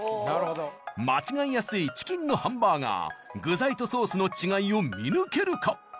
なるほど間違えやすいチキンのハンバーガー具材とソースの違いを見抜けるか？